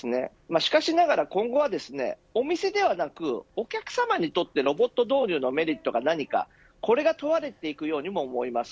しかしながら今後はお店ではなくお客様にとってロボット導入のメリットは何かこれが問われていくようにも思います。